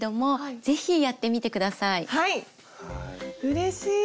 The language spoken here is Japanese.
うれしい。